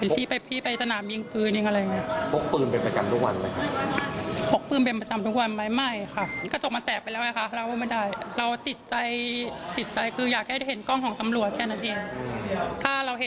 ถ้าเราเห็นแล้วถ้าเรากระจ่างหรืออะไร